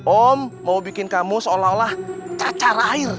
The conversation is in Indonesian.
om mau bikin kamu seolah olah cacar air